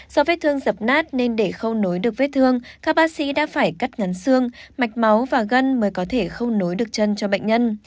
do vết thương dập nát nên để khâu nối được vết thương các bác sĩ đã phải cắt ngắn xương mạch máu và gân mới có thể không nối được chân cho bệnh nhân